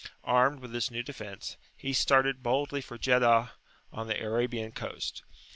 Armed with this new defence, he started boldly for Jeddah on the Arabian coast.